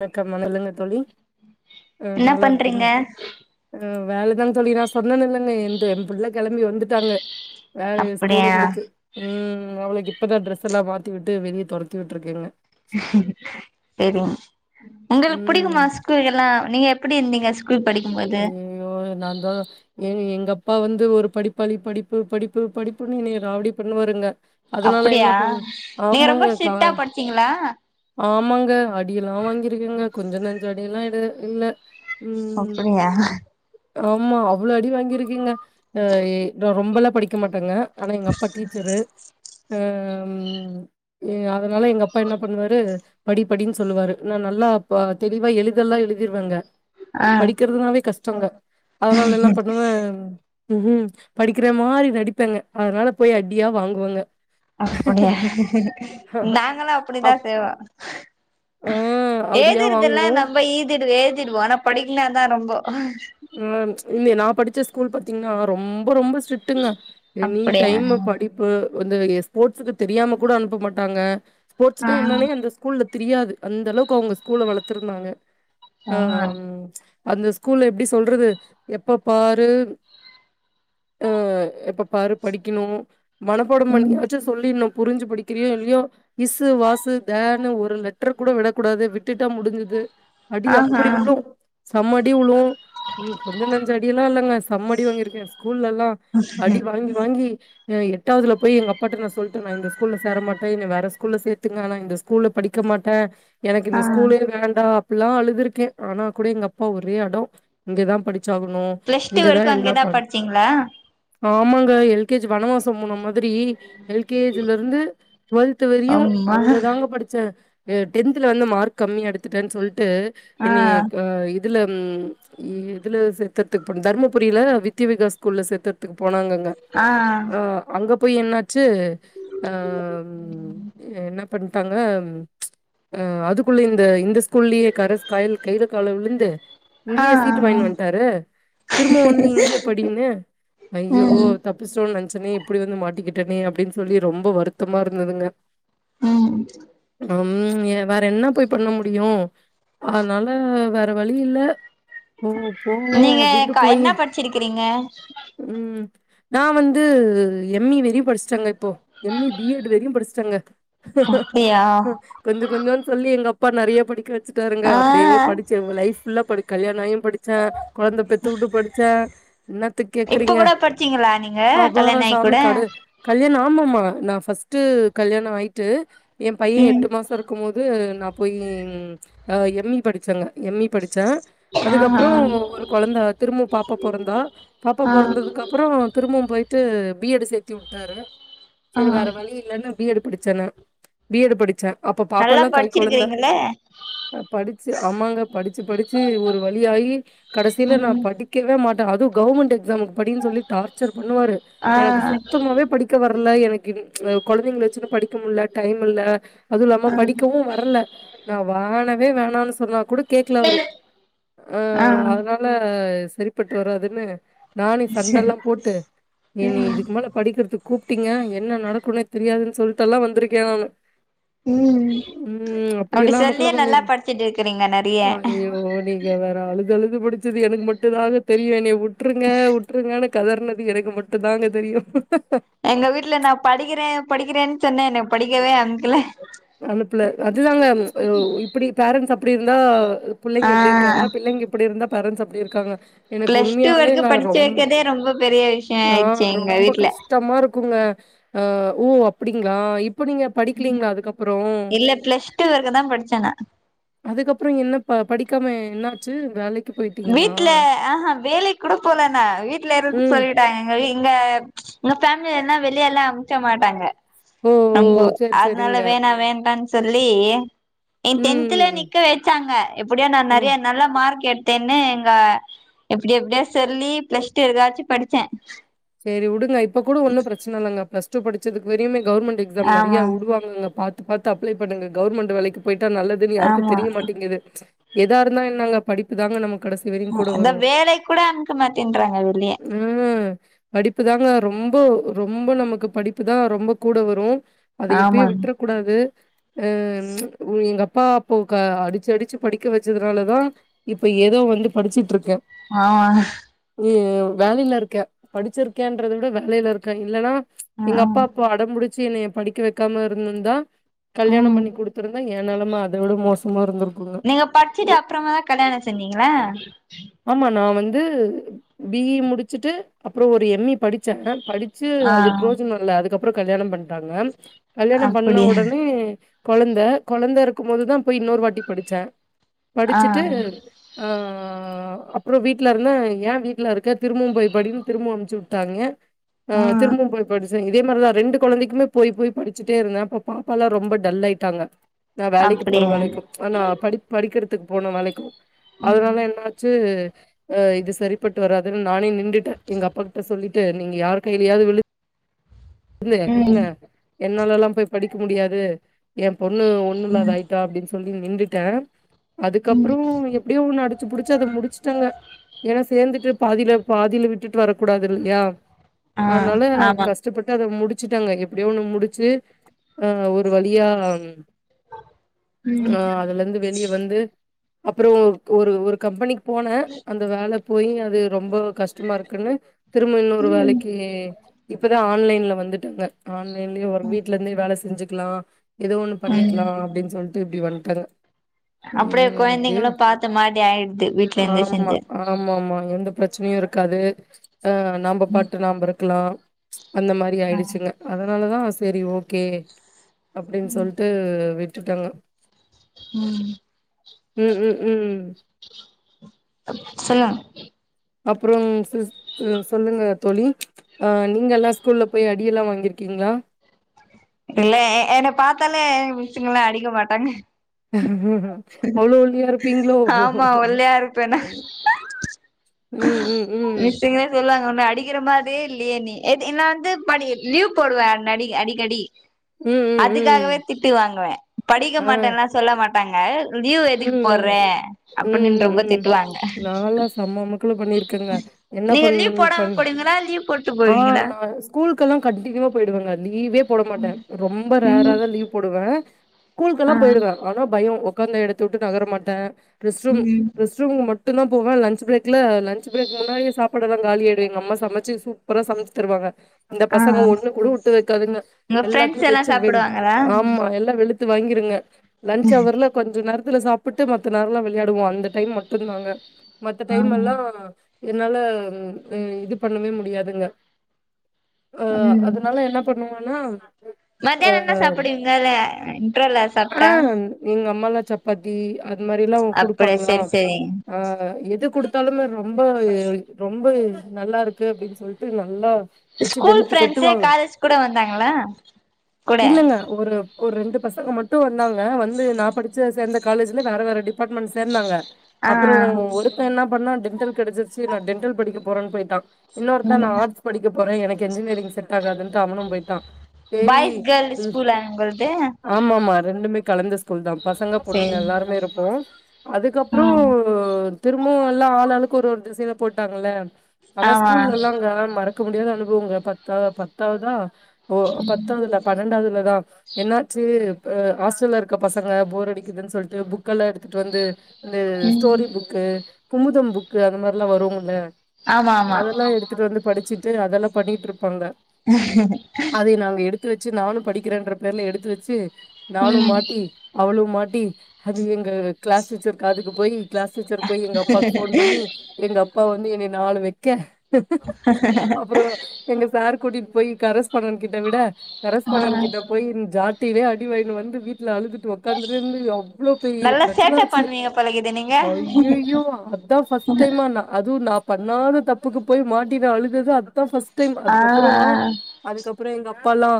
வணக்கம் மணலருந்து தோழி உம் என்ன நல்லா ருக்கீங் பண்றீங்க ஆ வேலைதாங் தோழி நா சொன்னனில்லனே என்து எ புள்ள கெளம்பி வந்துட்டாங்க வேலையா ஸ்கூல் அப்படியா முடிச்சு ம் அவளுக்கு இப்பதா டிரெஸ் எல்லா மாத்தி விட்டு வெளிய தொரத்தி விட்ருக்கேங்க சேரிங் உங்களுக்கு ம் புடிக்குமா ஸ்கூல்க்குகெல்லா நீங்க எப்படி இருந்தீங்க ஸ்கூல் படிக்கும்போது அய்யோ என்னாந்த எ எங்க அப்பா வந்து ஒரு படிப்பாளி படிப்பு படிப்பு படிப்புன்னு என்னைய ராவடி பண்ணுவாருங்க அதனால என்ன அப்படியா பண் நீங்க ரொம்ப ஆமாங்க கா ஸ்ட்ரிட்டா படிச்சீங்களா ஆமாங்க அடியெல்லா வாங்கிருக்கங்க கொஞ்ச நஞ்ச அடியெல்லா இட இல்ல உம் நிய்யா ஆமா அவ்ளோ அடி வாங்கிருக்கங்க அ ஏ ரொம்பல்லா படிக்க மாட்டெங்க ஆனா எங்க அப்பா டீச்சரு அம் எ அதனால எங்கப்பா என்ன பண்ணுவாரு படிப்படின்னு சொல்லுவாரு இவ்ள நல்லா அப்ப தெளிவா எழுதெல்லா எழுதிர்வாங்க ஆ படிக்கறதுனாவே கஷ்டங்க அதனால என்ன பண்ணுவே உம் படிக்கிற மாரி நடிப்பெங்க அதனால போய் அடியா வாங்குவேங்க அப்படியா நாங்கலு அப்படி தா அப் செய்வோ ஆ அடியா ஏதிருக்குன்னா வாங்குவோம். நம்ப ஈதிடு ஏழுதிடுவோ அனா படிக்குனா தா ரொம்ப ம் இல்ல நா படிச்ச ஸ்கூல் பாத்தீங்ன்னா ரொம்ப ரொம்ப ஸ்ட் ட்ங்க எனி அப்படியா டைம் படிப்பு படிப்பு வந்து ஸ்போட்ஸ்க்கு தெரியாம கூட அனுப்ப மாட்டாங்க ஆ ஸ்போட்ஸ்னா என்னானே அந்த ஸ்கூல்ல தெரியாது அந்த அளவுக்கு அவங்க ஸ்கூல வளத்துருந்தாங்க ஆ அந்த ஸ்கூல்ல எப்டி சொல்றது எப்ப பாரு அ எப்ப பாரு படிக்கணு மனப்பாடம் ம் பண்ணியாச்சு சொல்லிரனு புரிஞ்சு படிக்கிறியோ இல்லையோ இஸ்சு வாசு தேர் இன்னு ஒரு லெட்ரு கூட விடக்கூடாது விட்டுட்டா முடிஞ்சுது அடி ஆஹா அப்படி உளு செம அடி உழுவு ம் கொஞ்சம் நஞ்ச அடியெல்லா இல்லங்க செம அடி வாங்கிருக்கே ஸ்கூல்ல எல்லா அடி வாங்கி வாங்கி எ எட்டாவதுல போய் எங்க அப்பாட்ட நா சொல்ட்ட நா இந்த ஸ்கூல்ல சேர மாட்ட என்ன வேற ஸ்கூல்ல சேத்துங்க ஆனா இந்த ஸ்கூல்ல படிக்க மாட்டே எனக்கு ஆ இந்த ஸ்கூலே வேண்டா அப்புல்லா அழுதுருக்கே ஆனா கூட எங்க அப்பா ஒரே அடோ இங்கதா படிச்சாகணு பிளஸ் டூ இங்கதா வரைக்கு எல்லா அங்கதா ப படிச்சீங்களா ஆமாங்க எல் கே ஜி வனவாசம் போன மா திரி எல் கே ஜி ல இருந்து ட்வல்த்து வரையு அம்மா அங்கதாங்க படிச்சே எ டென்த்துல வந்து மார்க் கம்மியா எடுத்துட்டேன் சொல்ட்டு ஆ என்னய அ இதுல ம் இதுல சேத்தது போ தர்மபுரில வித்ய விகாஸ் ஸ்கூல்ல சேத்தது க்கு போனாங்கங்க ஆ அ அங்க போய் என்னாச்சு அ என்ன பண்ட்டாங்க அ அதுக்குள்ள இந்த இந்த ஸ்கூல்லயே கரஸ் கை கைல கால்ல விழுந்து ஆ இங்கயே சீட்டு ஆ வாங்கினு வன்ட்டாரு திரும்பவு வந்து இங்கயே படின்னு ஐயோ ம் த ப்பிச்டோன் நெனச்சனே இப்புடி வந்து மாட்டிக்கிட்டனே அப்டின்னு சொல்லி ரொம்ப வருத்தமா இருந்துதுங்க ம் ம் வேற என்ன போய் பண்ண முடியு அதனால வேற வழியில்ல போவ போவோ நீங்க அப்டின்ட்டு க போயி என்ன படிச்சிருக்கிறீங்க ம் நா வந்து எம் இ வெரியு படிச்ட்டங்க இப்போ எம் இ பி எட் வரியு படிச்ட்டங்க அப்டியா கொஞ்ச கொஞ்சோன் சொல்லி எங்க அப்பா நெறைய படிக்க வெச்சுட்டாருங்க ஆ அப்படியே படிச்சு லைப் ஃபுல்லா படி கல்யாண ஆயு படிச்சே கொழந்த பெத்து வுட்டு படிச்ச என்னத்த இப்ப கேக்குறிங்க கூட படிச்சீங்களா நீங்க அப்பாடா கல்யாண ஆயி சாமி கூட கடு கல்யாண ஆமாம்மா நா ஃபஸ்ட்டு கல்யாண ஆய்ட்டு எம் பைய ம் எட்டு மாச இருக்கும்போது நா போயி அ எம் இ படிச்சங்க எம் இ படிச்ச ஆஹா அதுக்கப்புற ஒரு கொழந்த திரும்பவு பாப்பா பொறந்தா பாப்பா ஆ பொறந்ததுக்கப் பற திரும்பவு போய்ட்டு பி எட்டு சேத்தி உட்டாரு ஆ சேரி வேற வழி இல்லன்னு பி எட் படிச்ச நா பி எட் படிச்ச அப்ப நல்லா பாப்பல்லா கை கொழந்த படிச்சிருக்கிறீங்கல்ல படிச்சு ஆமாங்க படிச்சு படிச்சு ஒரு வழியாயி கடைசில நா படி க்கவே மாட்ட அது கவர்மென்ட் எக்ஸாம்க்கு படினு சொல்லி டார்ச்சர் பண்ணுவாரு ஆ எனக்கு சுத்தமாவே படி க்க வர்ல எனக்கு கொழந்தைங்கள வெச்சுனு படிக்க முல்ல டைம் இல்ல அதுவு இல்லாம படிக்கவு வரல நா வானவே வேணான்னு சொன்னா கூட கேக்கல அவரு அ ஆ அதனால சரிபட்டு வராதுன்னு நானே சண்டெல்லா சரி போட்டு என்னய இதுக்கு மேல படிக்கிறதுக் கூப்ட்டிங்க என்ன நடக்குன்னே தெரியாதுன் சொல்ட்டு எல்லா வந்திருக்கே நானு ம் ம் அப்டி அப்டியெல்லா அமக்கள சொல்லியே பண்ணி நல்லா படிச்சுட்டு இருக்கிறீங்க நெறைய ஐய்யோ டே நீங்க வேற அழுது அழுது படிச்சது எனக்கு மட்டு தாங்க தெரியு என்னய உட்ருங்க உட்ருங்கனு கதர்னது எனக்கு மட்டுந்தாங்க தெரியு எங்க வீட்ல நா படிக்கிறே படிக்கிறேன் சொன்னே என்னைய படிக்கவே அனுப்பல அனுப்புல அதுதாங்க இப்புடி பேரன்ஸ் அப்புடி இருந்தா புள்ளங்க ஆ இப்டி இருக்காங்க புள்ளைங்க இப்டி இருந்தா பேரன்ட்ஸ் அப்டி இருக்காங்க எனக்கு பிளஸ் டூ வரைக்கு உண்மையாவேங்க படிச்சு ரொம் வைக்கதே ரொம்ப பெரிய விஷய ஆ ஆயிடுச்சு எங்க ரொம்ப வீட்ல கஷ்டமா இருக்குங்க அ ஓ அப்டிங்களா இப்ப நீங்க படிக்கலிங்ளா அதுக்கப் இல்ல பிளஸ் டூ வரைக்குந்தா படிச்ச நா அதுக்கப்புற என்ன ப படிக்காம என்ன ஆச்சு வேலைக் வீட்ல ஆஹ வேலைக்கு கூட போல நா வீட்ல இருன்னு ம். சொல்லிட் டாங்க எங்க வீ இங்க எங்க ஃபேமிலில்லா வெளியலா அனுப்க மாட்டாங்க ஓ! ஓ! சரி, அதனால சரிங்க. வேனா வேண்டானு சொல்லி எ டென்துலே ம். நிக்க வச்சாங்க எப்டியோ நா ஓ! நெறையா நல்ல மார்க் எடுத் தேன்ன எங்க எப்டி எப்டியோ சொல்லி பிளஸ் டூ வரக்காச்சு படிச்சே சரி உடுங்க இப்ப கூட ஒன்னு பிரச்சன இல்லங்க பிளஸ் டூ படிச்சதுக்கு வரியுமே கவர்மெண்டு எக்ஸாம் நெறைய ஆமா உடுவாங்கங்க பாத்து பாத்து அப்ளை பண்ணுங்க கவுர்மெண்டு வேலைக்கு போய்ட்டா நல்லது எதுனு யாருக்கு ஆமா தெரியமாட்டேங்து எதா இருந்தா என்னங்க படிப்புதாங்க நம்ம கடைசி வரையும் ஆ கூட அதா வரும். வேலக் கூட அனுப்க மாட்டேன்றாங்க வெளியே ம் படிப்புதாங்க ரொம்போ ரொம்போ நமக்கு படிப்பு தா ரொம்போ கூட வரு அத எப்பயே ஆமா விட்டுற கூடாது ஆ ஒ எங்கப்பா போக அடிச்சி அடிச்சி படிக்க வச்சதுனாலதா இப்ப ஏதோ வந்து படிச்சுட்ருக்கே ஆ ம் வேலைல இருக்கே படிச்சிருக்கேன்றத விட வேலைல இருக்கே இல்லனா எங்க ஆ அப்பா அப்போ அடம்புடிச்சி என்னைய படிக்க வக்காம இருந்துருந்தா கல்யாண ம் பண்ணி குடு துருந்தா ஏ நெலம அத விட மோசமா இருந்துருக்குங்க நீங்க படிச்சுட்டு அப்றமாதா கல்யாண செஞ்சிங்களா ஆமா நா வந்து பி இ முடிச்சுட்டு அப்பறோ ஒரு எம் இ படிச்சே படி ச்சு ஆ அது பிரோஜனோ இல்ல அதுக்கப்பறோ கல்யாண பண்ட்டாங்க கல்யாண பண்ண அப்படியா ஒடனே கொழந்த கொழந்த இருக்கும் போதுதா போய் இன்னொரு வாட்டி படிச்சே ஆ படிச்சுட்டு ஆ ஆ அப்பறோ வீட்ல இருந்த ஏ வீட்ல இருக்க திரும்பவு போய் படின்னு திரும்ப அனுச்சு உட்டாங்க ஆ திரும்பவு போய் படி ச்சே இதே மாரிதா ரெண்டு கொழந்தக்குமே போய் போய் படிச்சுட்டே இருந்தே அப்ப பாப்பால்லா ரொம்ப டல் ஆயிட்டாங்க நா வேலைக்கு போற அப்படியா வேலக்கு ஆனா படி படிக்கிறதுக்கு போன வேலைக்கு ம் அதனால என்ன ச்சு ஆ இது சரிப்பட்டு வராதுன்னு நானே நின்டுட்டே எங்க அப்பாக்கிட்ட சொல்லிட் ட்டு நீங்க யாருக் கையிலாது விழுந் ந்து ம் என்னாலல்லா போய் படிக்க முடியாது ஏ பொண்ணு ஒன்ன இல்லாத ஆயி ட்டா அப்டின்னு சொல்லி நின்டுட்டே ம் அதுக்கப்பறோ எப்டியோ ஒன்னு அடிச்சிபுடிச்சி அத முடிச்சுட்டங்க ஏனா சேந்துட்டு பாதில பாதில விட்டுட்டு வரக்கூடாது இல்லயா ஆ அதனால ஆமா கஷ் ட்டு அத முடிச்சுட்டங்க எப்டியோ ஒன்னு ஆ ஒரு வழியா ம் ஆ அதுலேருந்து வெளியே வந்து அப்றோ ஒரு ஒரு கம்பெனிக்கு போன அந்த வேல போயி அது ரொம்ப கஷ்டமா இருக்குன்னு திரும்ப இன்னொரு வேலைக்கி இப்பதா ஆ லைன்ல வந்துட்டங்க ஆன்லைன்லே ஒரு வீட்ல இருந்தே வேல செஞ்சுக்கலா ஏதோ ஒன்னு ம் பண்ணிக்கலா அப்டின்னு சொல்ட்டு இப்டி வந்ட்டங்க அப்டியே கொழந்தைங்களு பாத்த மாரி ஆயிடுது வீட்லேருந்து செஞ்சா ஆமா ஆமா எந்த பிரச்சனையு இருக்காது ஆ நம்ப பாட்டு நாம்ப இருக்கலா அந்த மாரி ஆ ஆயிடுச்சுங்க அதனால தா செரி ஓகே அப்டின்னு சொல்ட்டு விட்டுட்டாங்க ம் ம் ம் ம் சொல்லுங்க அப்றோ சிஸ் சொல்லுங்க தோழி ஆ நீங்கல்லா ஸ்கூல்ல போயி அடியல்லா வாங்கிருக்கீங்ளா இல்லே எ என்ன பாத்தாலே மிஸ்ங்கலா அடிக்க மாட்டாங்க அவ்ளோ ஒல்லியா இருப்பீங்ளோ ஆமா ஒல்லியா இருப்பேனா ம் ம் ம் மிஸ்ஸுங்களே சொல்லுவாங்க ஒன்னு அடிக்கிற மாறியே இல்லையே நீ நா வந்து லீவ் போடுவே அடி அடிக்கடி ம் ம் ம் அதுக்காகவே திட்டு வாங்குவே படிக்க ஆ மாட்டேன்ல்லா சொல்ல மாட்டாங்க லீவ் எதுக்கு ம் போட்ற அப்டின்னு ம் ரொம்ப ம் திட்டுவாங்க நான்லா செம்ம அமக்கள பண்ணிருக்கேங்க என்ன நீங்க பண் லீவ் போடாம பண்ண போடுவீங்களா லீவ் போட்டு ஆ போவீங்களா நா ஸ்கூலுகெல்லா கண்டினியூவா போயிடுவங்க லீவே போட மாட்டே ரொம்ப ரேரா ம் தா லீவ் போடுவே ஆ ஸ்கூலுக்கெல்லா போயிடுவே ஆனா பய ஒக்காந்த எடத்த உட்டு நகர மாட்டே ரெஸ்ரூம் ம் ரெஸ் ரூம் மட்டு தா போவே லன்ச் பிரேக்ல லன்ச் பிரேக்கு முன்னாடியே சப்பாடுல்லா காலியாயிடு எங்க அம்மா சமச்சு சூப்பரா சமச்சு தருவாங்க இந்த ஆ பசங்க ஒண்ணு கூட உட்டு வைக்காதுங்க உங்க எல்லாத்தையு ஃப்ரெண்ட்ஸ் எல்லா வச்சு வெ சாப்டுவாங்களா ஆமா எல்லா வெளுத் து வாங்கிருங்க லன்ச் அவர்ல கொஞ்ச நேரத் த்துல சாப்பிட்டு மத்த நேரல்லா விளையாடுவோ அந்த டைம் மட்டும் தாங்க மத்த டைம் ம் எல்லா என்னால இ இது பண்ணவே முடியாதுங்க அ அதனால என்ன பண்ணுவன்னா மத்தியான என்ன சாப்பிடுவீங்க அ இன்ட்ரவல்ல ஆ சாப்டா எங்க அம்மால்லா சப்பாத்தி அது மாறில்லா அப்டியா குடுப்பாங்களா செரி செரி அ எது குடுத் தாலுமே ரொம்ப ரொம்ப நல்லா இருக்கு அப்டின்னு சொல்லிட்டு நல்லா வச்சு ஸ்கூல் வெளுத்து ஃப்ரெண்ட்ஸே கட்டுவாங்க காலேஜ் கூட வந்தாங்களா கூட இல்லங்க ஒரு ஒரு ரெண்டு பசங்க மட்டு வந்தாங்க வந்து நா படிச்ச சேர்ந்த காலேஜ்ல வேற வேற டிப் டிபாட்மெண்ட் சேந்தாங்க ஆ அப்பறோ ஒரு என்ன பண்ண டென்டல் கெடச்சிருச்சி‌ நா டென்டல் படிக்க போறேன்னு போயிட்டா இன்னொருத்த நா ம் ஆர்ட்ஸ் படிக்க போறே எனக்கு என்ஜினியரிங் செட் ஆகதுன்னட்டு அவனு போயிட்டா சேரி பாய்ஸ் கேர்ள்ஸ் ஸ்கூலா உங்கள்து ஆமாமா ரெண்டுமே கலந்த ஸ்கூல் தா பசங்க பொண்ணுங்க சேரி எல்லாருமே இருப்போ அதுக்கப்பறோ ம் திரும்பவு எல்லா ஆளாளுக்கு ஒரு ஒரு திசையில போய்ட்டாங்கள்ள ஆனா ஆமா ஸ்கூல்லல்லாங்க மறக் க முடியாத அனுபவங்க பத்தாவ பத்தாவதா ஓ பத்தாவதுல பன்னெண்டாவுதுலதா என்னாச்சு ஆ ஹாஸ்டல்ல இருக்க பசங்க போர் அடி க்குதுனு சொல்ட்டு புக்கெல்லா எடுத்துட்டு வந்து இந்த ம் ஸ்டோரி புக் கு குமுதம் புக்கு அது மாறிலா வரும்முல்ல ஆமா ஆமா அதெல்லா எடுத் த்துட்டு வந்து படிச்சுட்டு அதெல்லா பண்ணிட்டு இருப்பாங்க அதை நாங்க எடுத்து வச்சு நானு படிக்கிறேன்ற பேர்ல எடுத்து வச்சு நானு ம் மாட்டி அவளு மாட் டி அது எங்க கிளாஸ் டீச்சர் காதுக்கு போய் கிளாஸ் டீச்சர் போய் எங்க அப்பாவுக்கு ஃபோன் பண்ணி எங்க அப்பா வந்து என்னய நாலு வெக்க அப்பறோ எங்க சார் கூட்டிட்டு போய் கரஸ்பாண்டன் கிட்ட விட ஆ கரஸ்பாண்டன் கிட்ட போயி ஜாத்தியிலே அடிவாங்கிட்டு வந்து வீட்ல அழுதுட்டு உக் இல இருந்து அவ்ளோ பெரிய பிரச்சன ஆச்சு பழகிடு நீங்க அய்யயோ அதா ஃபஸ்ட் டைம்மா நா அது நா பண்ணாத தப்புக்கு போய் மாட்டினு அழுதது அதுதா ஃபர்ஸ்ட் டைம் ஆ ஆ அதுக்கப்பறோ அதுக்கப்பறோ எங்க அப்பால்லா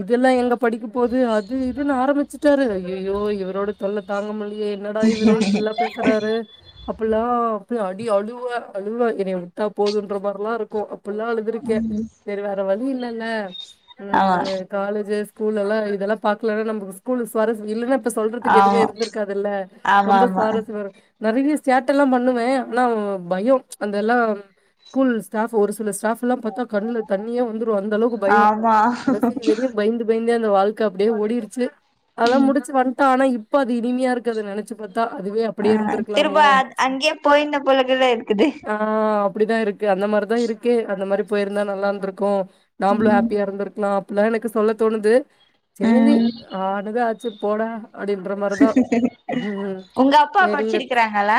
இதெல்லா எங்க படிக்க போது அது இதுனு ஆரம்பிச்சுட்டாரு அய்யய்யோ இவரோட தொல்ல தாங்க முல்லயே என்னடா இவரு இப்பில்லா பேசுறாரு அப்பல்லா அப்டி அடி அழுவே அழுவே என்ன வுட்டா போதுன்ற மாறிலாருக்கு அப்பில்லா அழுதுருக்கே ம் சேரி வேற வழி இல்லல்ல ஆ காலேஜ் ஸ்கூல்ல்லா இதெல்லா பாக்கலன்னா நமக்கு ஸ்கூல்லு சுவாஸ்ரஸ் இல்லன்னா இப்ப சொல்றதுக்கு எதுவுமே ஆமா இருந்திருக்காதுல்ல ஆமா ரொம்ப ஆமா சுவாரஸ்யம் வரு நெறைய சேட்டல்லா பண்ணுவே ஆனா பயோ அந்தெல்லா ஸ்கூல்ல ஸ்டாஃப் ஒரு சில ஸ்டாஃப் எல்லாம் பாத்தா கண்ணுல தண்ணியே வந்துடும் அந்த அளவுக்கு பயோ ஆமா கடைசி வெரைக்கு பயந்து பயந்தே அந்த வாழ்க்க அப்டியே ஓடிடுறுச்சு அதெல்லா ம் கடந்து வந்துட்டோ ஆனா இப்ப அது இருக்கது நினைச்ச ச்சு பாத்தா அதுவே ஆ திரும்ப அப்டியேருந்திருக்கலாமோ அங்கேயே போயிருந்த போலக்குது இருக்குது ஆ அப்டிதாருக்கு அந்த மாரிதா இருக்கு அந்த மாரி போய்ருந்தா நல்லாருந்திருக்கு நாமளு ம் ஹாப்பியாருந்திருக்கலா அப்டில்லா எனக்கு சொல்ல தோணுது சேரி ம் ஆனது ஆச்சு போடா அப்டின்ற மாரிதா ம் உங்க அப்பா சேரிங்க படிச்சிருக்கிறாங்களா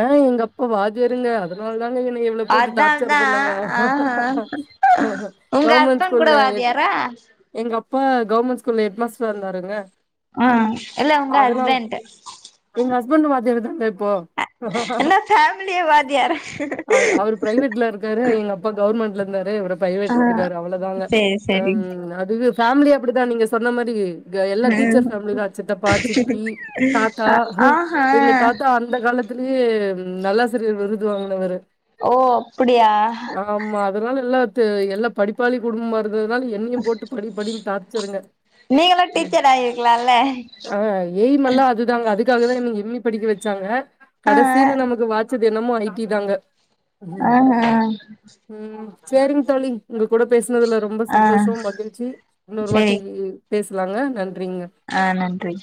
ஆ எங்க அப்பா வாத்தியாருங்க அதனால தாங்க என்னைய இவ்வளவு போட்டு அதால் டார்ச்சர் தா பண்ணாங்க ஆ உங்க கவர்மெண்ட் ஹஸ்பண்ட் கூட ஸ்கூல்ல ஹெட் வாத்தியாரா எங்க அப்பா கவர்மெண்ட் ஸ்கூல்ல ஹெட் மாஸ்டரா இருந்தாருங்க ஆ இல்ல உங்க அதனால ஹஸ்பெண்ட் எங்க ஹஸ்பண்ட் வாத்தியாரு தாங்க இப்போ என்ன ஃபமிலியே வாத்தியாரு அவ அவரு பிரைவேட்ல இருக்காரு எங்க அப்பா கவர்மெண்ட்ல இருந்தாரு இவரு ஆ பிரைவேட்ல இருக்காரு அவ்ளோதாங்க சேரி சேரி ம் அதுக ஃபேமிலி அப்டிதா நீங்க சொன்ன மாரி எல்லா ம் டீச்சர்ஸ் ஃபேமிலி தா சித்தப்பா சித்தி தாத்தா அ ஆஹா எங்க தாத்தா அந்த காலத்து லயே நல்லாசிரியர் விருது வாங்குனவரு ஓ அப்டியா ஆமா அதனால எல்லா த்து எல்லா படிப்பாளி குடும்பமா இருக் னால என்னையு போட்டு படி படின்னு டார்ச்சருங்க லால ஆ எய்ம் எல்லா அதுதாங்க அதுக்காகதா என்ன எம் ஈ படிக்க வச்சாங்க ஆ கடைசில நமக்கு வாச்சது என்னமோ ஐ டி தாங்க ஆ ஆ ம் சேரிங்க தோழி உங்க கூட பேசுனதுல ரொம்ப ஆ சந்தோஷம் மகிழ்ச்சி இன்னொரு வாட்டி சேரி பேசலாங்க நன்றிங்க ஆ நன்றி